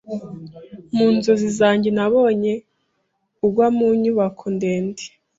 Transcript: Mu nzozi zanjye, nabonye ugwa mu nyubako ndende.